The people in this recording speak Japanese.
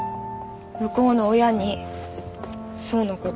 向こうの親に想のこと。